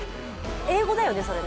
英語だよね、それ。